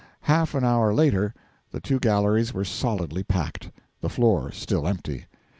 Half an hour later the two galleries were solidly packed, the floor still empty.